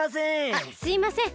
すいません。